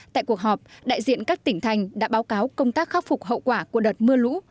tại cuộc họp đại diện các tỉnh thành đã báo cáo công tác khắc phục hậu quả của đợt mưa lũ